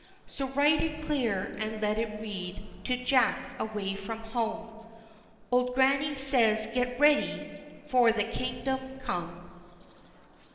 So write it clear, and let it read, _To Jack, away from home, Old Grannie says, get ready For the Kingdom come.